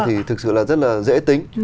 thì thực sự là rất là dễ tính